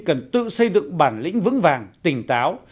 cần tự xây dựng bản lĩnh vững vàng tỉnh táo